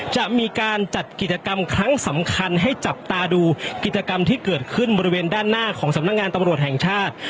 จะมีการจัดกิจกรรมครั้งสำคัญให้จับตาดูกิจกรรมที่เกิดขึ้นบริเวณด้านหน้าของสำนักงานตำรวจแห่งชาติ